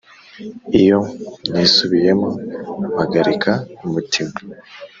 Iyo nisubiyemo mpagarika umutima